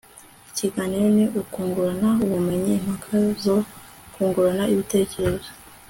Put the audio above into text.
ikiganiro ni ukungurana ubumenyi; impaka zo kungurana ibitekerezo